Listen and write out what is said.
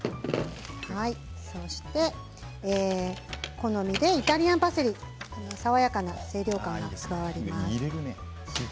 そして好みでイタリアンパセリ爽やかな清涼感が加わります。